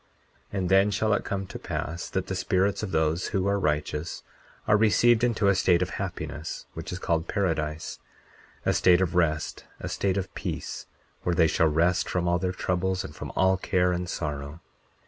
40:12 And then shall it come to pass, that the spirits of those who are righteous are received into a state of happiness, which is called paradise, a state of rest, a state of peace, where they shall rest from all their troubles and from all care, and sorrow.